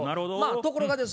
ところがです